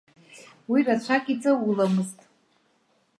Уи рацәак иҵауламызт.